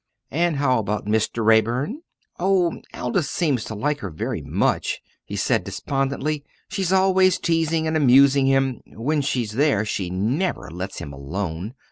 "And how about Mr. Raeburn?" "Oh, Aldous seems to like her very much," he said despondently. "She's always teasing and amusing him. When she's there she never lets him alone.